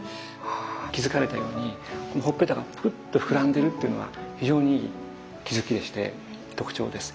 気付かれたようにほっぺたがぷくっと膨らんでるっていうのは非常にいい気付きでして特徴です。